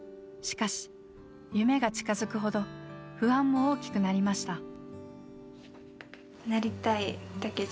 しかし夢が近づくほど不安も大きくなりました。